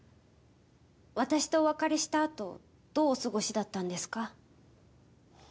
私とお別れしたあとどうお過ごしだったんですか？